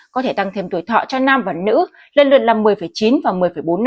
có thể tăng thêm tuổi thọ cho nam và nữ lần lượt là một mươi chín và một mươi bốn năm